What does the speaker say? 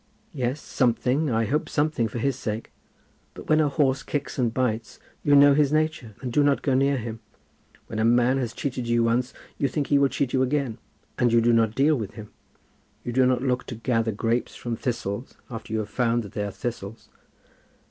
"Yes, something, I hope something, for his sake." "But when a horse kicks and bites, you know his nature and do not go near him. When a man has cheated you once, you think he will cheat you again, and you do not deal with him. You do not look to gather grapes from thistles, after you have found that they are thistles."